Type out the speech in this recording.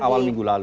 awal minggu lalu